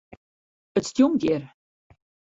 It stjonkt hjir.